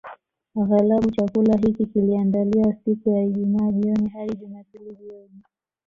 Aghalabu chakula hiki kiliandaliwa siku ya Ijumaa jioni hadi Jumapili jioni